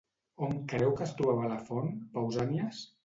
On creu que es trobava la font, Pausànies?